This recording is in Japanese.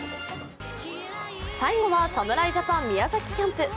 最後は侍ジャパン・宮崎キャンプ。